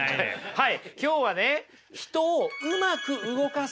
はい。